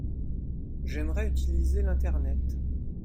J’aimerais utiliser l’Internet.